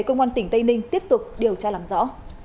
công an tỉnh tây ninh tiếp tục điều tra làm rõ